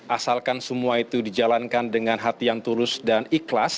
asalkan semua itu dijalankan dengan hati yang tulus dan ikhlas